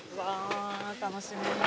楽しみ。